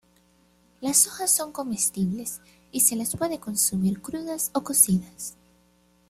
Las hojas son comestibles y se las puede consumir crudas o cocidas.